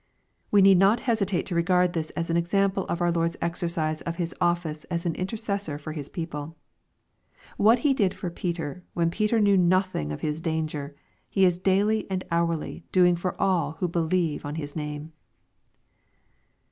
] We need not hesitate to regard this as an example of our Lord's exercise of H^s office as an interces sor for His people. What He did for Peter, when Peter knew nothing of his danger, He is daily and hourly doing for all who beheve on His name.